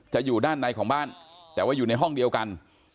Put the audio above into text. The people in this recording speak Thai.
อยู่ด้านในของบ้านแต่ว่าอยู่ในห้องเดียวกัน